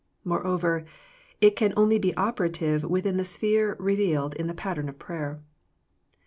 Moreover, it can only be operative within the sphere revealed in the pattern prayer.